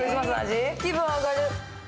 気分上がる。